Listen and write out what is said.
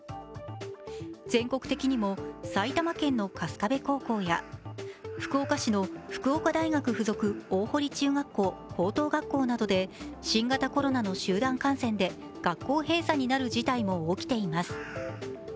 全国的にも、埼玉県の春日部高校や福岡市の福岡大学附属大濠中学校・高等学校などで新型コロナの集団感染で学校閉鎖になる事態も起きています。